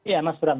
ya mas bram